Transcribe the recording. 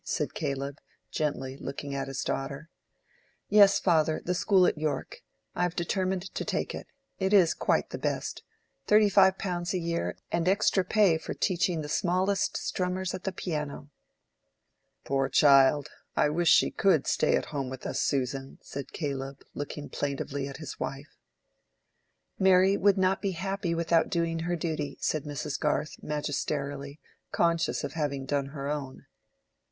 said Caleb, gently, looking at his daughter. "Yes, father: the school at York. I have determined to take it. It is quite the best. Thirty five pounds a year, and extra pay for teaching the smallest strummers at the piano." "Poor child! I wish she could stay at home with us, Susan," said Caleb, looking plaintively at his wife. "Mary would not be happy without doing her duty," said Mrs. Garth, magisterially, conscious of having done her own.